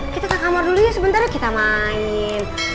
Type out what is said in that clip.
kita ke kamar dulu ya sebentar ya kita main